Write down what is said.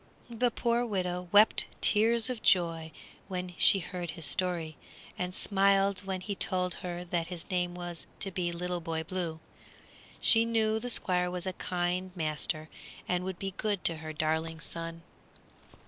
The poor widow wept tears of joy when she heard his story, and smiled when he told her that his name was to be Little Boy Blue. She knew the Squire was a kind master and would be good to her darling son.